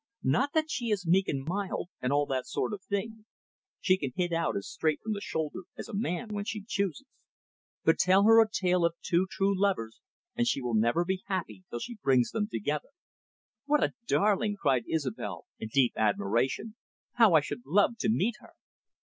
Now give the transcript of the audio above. Not that she is meek and mild, and all that sort of thing. She can hit out as straight from the shoulder as a man when she chooses. But tell her a tale of two true lovers, and she will never be happy till she brings them together." "What a darling!" cried Isobel, in deep admiration. "How I should love to meet her."